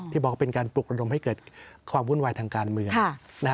บอกว่าเป็นการปลุกระดมให้เกิดความวุ่นวายทางการเมือง